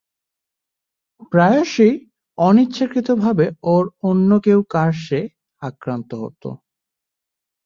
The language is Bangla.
প্রায়শই অনিচ্ছাকৃতভাবে ওর অন্য কেউ কার্সে আক্রান্ত হতো।